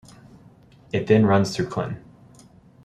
It then runs through Clinton.